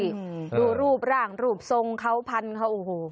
ดูรูปร่างรูปทรงเขาพันเขาโอ้โห